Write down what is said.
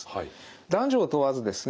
男女を問わずですね